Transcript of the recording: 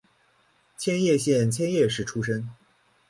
千叶县千叶市出身。